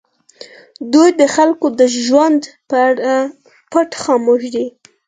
دوی د خلکو د ژوند په اړه پټ خاموش دي.